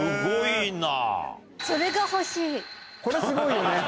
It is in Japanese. すごいな。